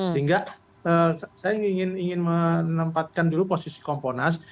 sehingga saya ingin menempatkan dulu posisi komponas